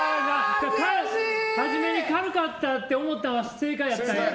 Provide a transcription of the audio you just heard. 初めに軽かったって思ったのが正解やったんやな。